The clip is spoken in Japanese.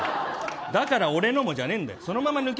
だから俺のもじゃねえんだよ。